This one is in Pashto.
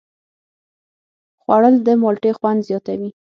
خوړل د مالټې خوند زیاتوي